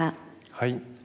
はい。